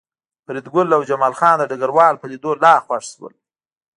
فریدګل او جمال خان د ډګروال په لیدو لا خوښ شول